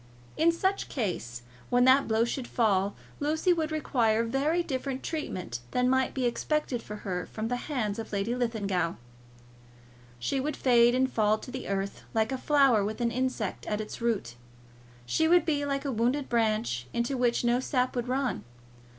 In such case, when that blow should fall, Lucy would require very different treatment than might be expected for her from the hands of Lady Linlithgow. She would fade and fall to the earth like a flower with an insect at its root. She would be like a wounded branch, into which no sap would run.